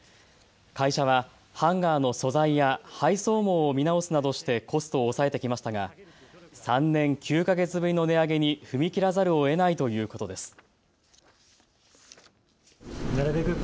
会社はハンガーの素材や配送網を見直すなどしてコストを抑えてきましたが３年９か月ぶりの値上げに踏み切らざるをえないということです。